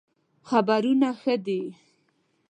خبرونه ښه دئ